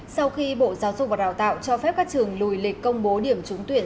sau khi bộ giáo dục và đào tạo cho phép các trường lùi lịch công bố điểm trúng tuyển